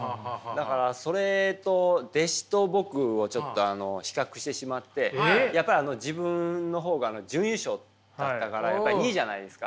だからそれと弟子と僕をちょっと比較してしまってやっぱり自分の方が準優勝だったから２位じゃないですか。